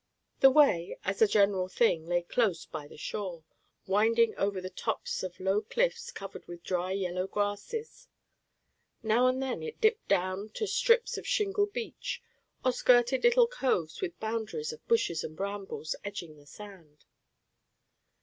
The way, as a general thing, lay close by the shore, winding over the tops of low cliffs covered with dry yellow grasses. Now and then it dipped down to strips of shingle beach, or skirted little coves with boundaries of bushes and brambles edging the sand.